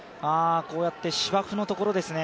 こうやって芝生のところですね。